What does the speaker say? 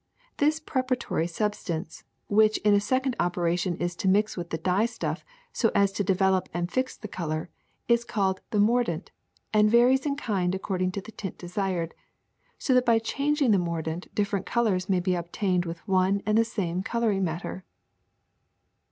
This preparatory substance which in a second operation is to mix with the dyestuff so as to develop and fix the color is called the mordant and varies in kind according to the tint desired, so that by changing the mordant different colors may be obtained with one and the same coloring matter."